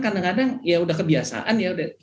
kadang kadang ya sudah kebiasaan ya